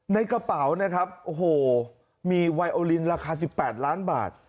ในกระเป๋านะครับโอ้โหมีไวโอลินราคา๑๘ล้านบาท